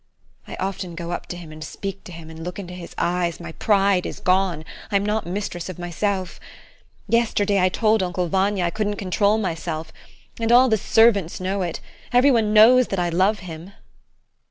I often go up to him and speak to him and look into his eyes. My pride is gone. I am not mistress of myself. Yesterday I told Uncle Vanya I couldn't control myself, and all the servants know it. Every one knows that I love him.